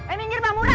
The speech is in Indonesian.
eh minggir pak muram